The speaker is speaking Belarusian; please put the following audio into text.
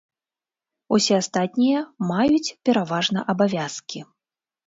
Усе астатнія маюць пераважна абавязкі.